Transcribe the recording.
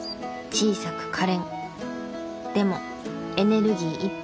でもエネルギーいっぱい。